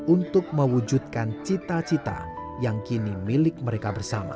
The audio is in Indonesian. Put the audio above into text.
untuk mewujudkan cita cita yang kini milik mereka bersama